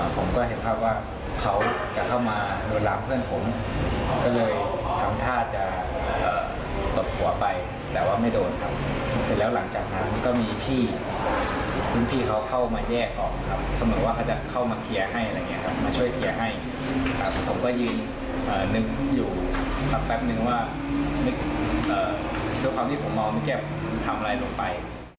ผมก็เห็นภาพว่าเขาจะเข้ามาลวนลามเพื่อนผมก็เลยทำท่าจะตบหัวไปแต่ว่าไม่โดนครับเสร็จแล้วหลังจากนั้นก็มีพี่คุณพี่เขาเข้ามาแยกออกครับเสมือนว่าเขาจะเข้ามาเคลียร์ให้อะไรอย่างนี้ครับมาช่วยเคลียร์ให้ครับผมก็ยืนนึกอยู่สักแป๊บนึงว่านึกด้วยความที่ผมมองเมื่อกี้ผมทำอะไรลงไป